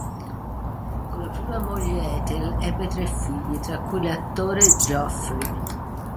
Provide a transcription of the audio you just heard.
Con la prima moglie Ethel ebbe tre figli, tra cui l'attore Geoffrey.